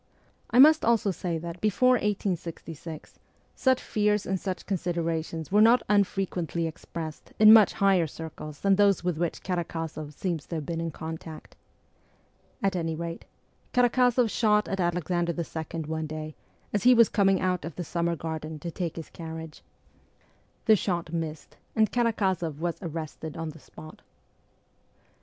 I must also say that before 1866 such fears and such considerations were not unfre quently expressed in much higher circles than those with which Karakozoff seems to have been in contact. At any rate Karak6zoff shot at Alexander II. one day, as he was coming out of the Summer Garden to take his D 2 86 MEMOIRS OF A REVOLUTIONIST carriage. The shot missed, and Karakozoff was arrested on the spot.